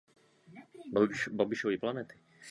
Samice jsou březí jednou za dva roky.